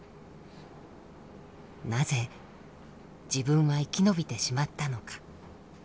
なぜ自分は生き延びてしまったのか。